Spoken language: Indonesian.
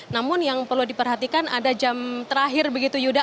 namun yang perlu diperhatikan ada jam terakhir begitu yuda